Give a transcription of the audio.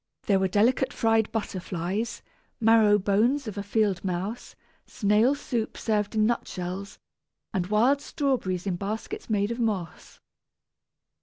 There were delicate fried butterflies, marrow bones of a field mouse, snail soup served in nutshells, and wild strawberries in baskets made of moss.